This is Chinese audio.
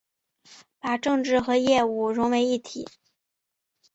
把政治和业务融为一体